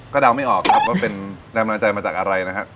ก็เดาไม่ออกครับว่าเป็นแรงมนาจัยมาจากอะไรนะครับ